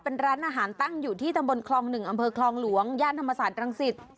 เป็นร้านอาหารตั้งอยู่ที่ตำบลคลอง๑อำเภอคลองหลวงย่านธรรมศาสตรังสิต